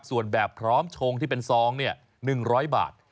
ส่วนแบบพร้อมชงที่เป็นซอง๑๐๐บาท